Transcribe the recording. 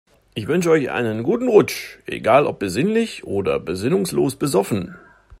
Ich wünsche euch einen guten Rutsch, egal ob besinnlich oder besinnungslos besoffen.